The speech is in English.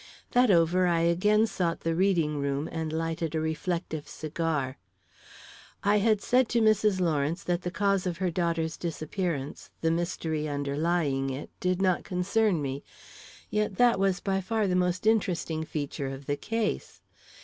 That over, I again sought the reading room and lighted a reflective cigar. I had said to Mrs. Lawrence that the cause of her daughter's disappearance the mystery underlying it did not concern me; yet that was by far the most interesting feature of the case.